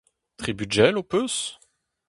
Tri bugel ho peus ?